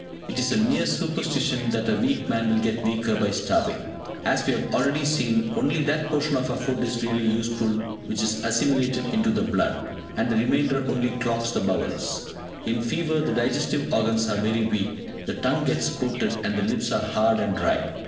It is a mere superstition that a weak man will get weaker by starving. As we have already seen, only that portion of our food is really useful which is assimilated into the blood, and the remainder only clogs the bowels. In fever the digestive organs are very weak, the tongue gets coated, and the lips are hard and dry.